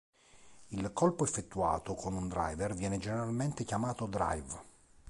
Il colpo effettuato con un driver viene generalmente chiamato "drive".